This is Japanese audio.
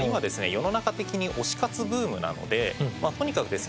世の中的に推し活ブームなのでとにかくですね